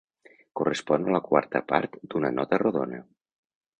Correspon a la quarta part d'una nota rodona.